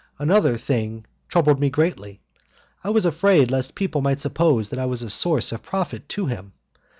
Another thing troubled me greatly. I was afraid lest people might suppose that I was a source of profit to him.